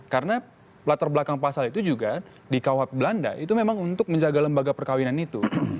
karena latar belakang pasal itu juga di kuhp belanda itu memang untuk menjaga lembaga perkawinan itu